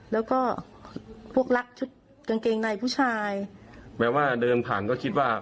แล้วก็พวกรักชุดกางเกงในผู้ชายแม้ว่าเดินผ่านก็คิดว่า